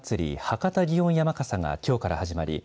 博多祇園山笠がきょうから始まり